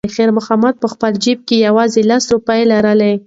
خیر محمد په خپل جېب کې یوازې لس روپۍ لرلې.